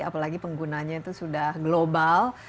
apalagi penggunanya itu sudah global